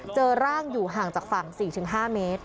เจอร่างอยู่ห่างจากฝั่ง๔๕เมตร